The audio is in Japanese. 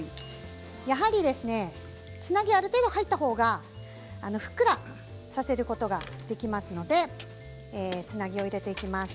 やはり、つなぎがある程度入ったほうがふっくらさせることができますのでつなぎを入れていきます。